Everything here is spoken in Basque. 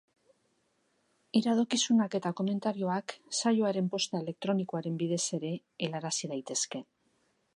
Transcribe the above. Iradokizunak eta komentarioak saioaren posta elektronikoaren bidez ere helarazi daitezke.